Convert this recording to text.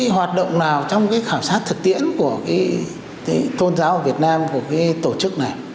hoạt động nào trong cái khảo sát thực tiễn của cái tôn giáo việt nam của cái tổ chức này